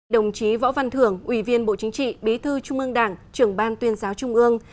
đồng chí võ văn thưởng ủy viên bộ chính trị bí thư trung ương đảng trưởng ban tuyên giáo trung ương